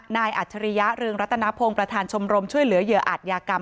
อัจฉริยะเรืองรัตนพงศ์ประธานชมรมช่วยเหลือเหยื่ออาจยากรรม